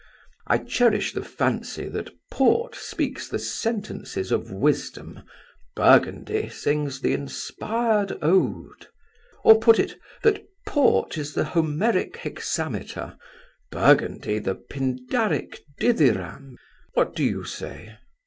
I cherish the fancy that Port speaks the sentences of wisdom, Burgundy sings the inspired Ode. Or put it, that Port is the Homeric hexameter, Burgundy the pindaric dithyramb. What do you say?"